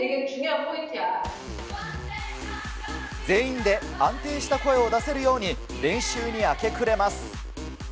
全員で安定した声を出せるように、練習に明け暮れます。